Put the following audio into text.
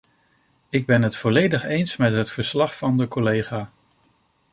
Ik ben het volledig eens met het verslag van de collega.